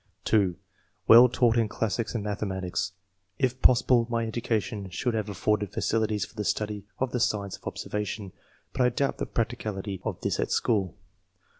'' (2) " Well taught in classics and mathematics. If possible my education should have afforded facilities for the study of the science of observa tion, but I doubt the practicability of this at school.